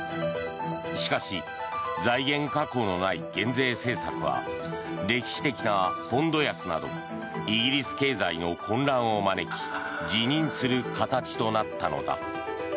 しかし財源確保のない減税政策は歴史的なポンド安などイギリス経済の混乱を招き辞任する形となったのだ。